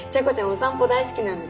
お散歩大好きなんです。